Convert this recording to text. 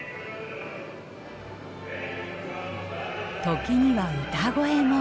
時には歌声も。